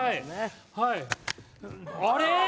はいあれ！？